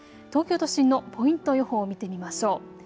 東京都心のポイント予報を見てみましょう。